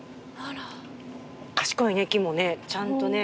賢いね木もねちゃんとね。